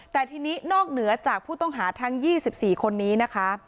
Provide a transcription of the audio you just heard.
แต่ทีนี้นอกเหนือจากผู้ต้องหาทางยี่สิบสี่คนนี้นะคะ